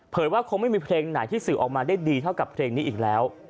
ว่าคงไม่มีเพลงไหนที่สื่อออกมาได้ดีเท่ากับเพลงนี้อีกแล้ว